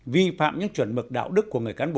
vi phạm những chuẩn mực đạo đức của người cán bộ